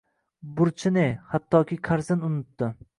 Burchi ne, hattoki qarzin unutdi –